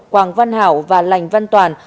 quang văn hảo và lành văn toàn